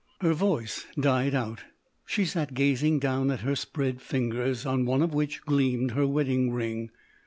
Her voice died out; she sat gazing down at her spread fingers, on one of which gleamed her wedding ring.